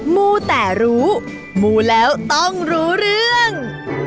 มูแต่รู้มูแล้วต้องรู้เรื่อง